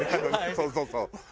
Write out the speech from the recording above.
そうそうそう。